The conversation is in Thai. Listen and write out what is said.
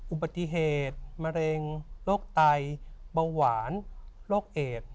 อุบัติเหตุมะเร็งโรคไตเบาหวานโรคเอด